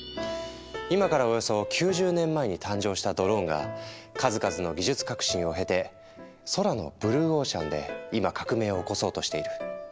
今からおよそ９０年前に誕生したドローンが数々の技術革新を経て空のブルーオーシャンで今革命を起こそうとしている。